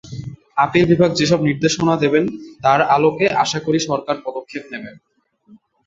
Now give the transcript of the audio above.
Appeal বিভাগ যেসব নির্দেশনা দেবেন, তার আলোকে আশা করি সরকার পদক্ষেপ নেবে।